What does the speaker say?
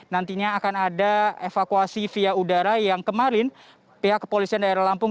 nantinya akan ada evakuasi via udara yang kemarin pihak kepolisian daerah lampung